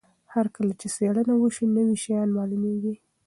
هر کله چې څېړنه وسي نوي شیان معلومیږي.